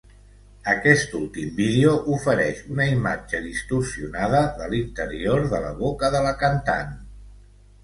Aquest últim vídeo ofereix una imatge distorsionada de l'interior de la boca de la cantant.